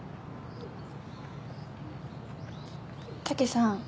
武さん。